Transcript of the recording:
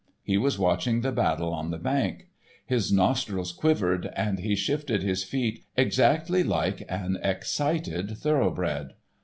He was watching the battle on the bank. His nostrils quivered, and he shifted his feet exactly like an excited thorough bred.